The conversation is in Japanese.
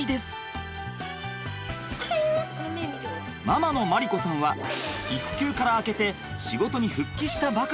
ママの麻里子さんは育休から明けて仕事に復帰したばかり。